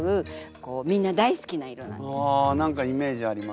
ああ何かイメージあります。